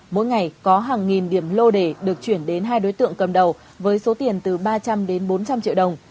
mỗi ngày có hàng nghìn điểm lô đề được chuyển đến hai đối tượng cầm đầu với số tiền từ ba trăm linh đến bốn trăm linh triệu đồng